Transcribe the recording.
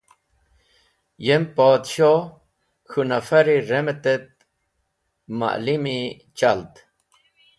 Yem [Podshoh] k̃hũ nafari remet et ma’limi chald.